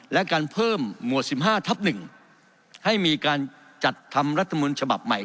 และการเพิ่มหมวด๑๕ทับ๑ให้มีการจัดทำรัฐมนต์ฉบับใหม่